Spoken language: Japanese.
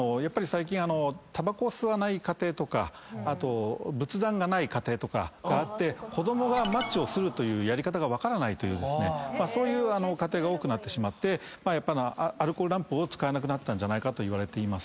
最近たばこを吸わない家庭とかあと仏壇がない家庭とかがあって子供がマッチを擦るというやり方が分からないというそういう家庭が多くなってしまってアルコールランプを使わなくなったんじゃないかといわれています。